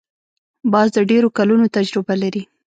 باز د ډېرو کلونو تجربه لري